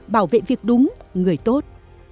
bảo vệ việc đúng người tốt